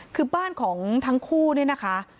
คือบ้านของทั้งคู่เนี่ยนะคะ